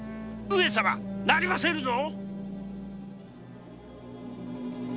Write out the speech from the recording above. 上様なりませぬぞ。